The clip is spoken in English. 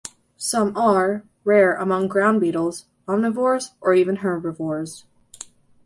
Some are, rare among ground beetles, omnivores or even herbivores.